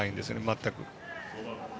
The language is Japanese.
全く。